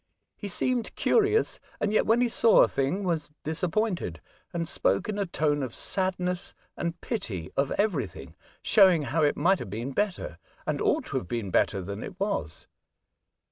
He seemed curious, and yet when he saw a thing was disappointed, and spoke in a tone of sadness and pity of everything, showing how it might have been better, and .ought to have been better than it was.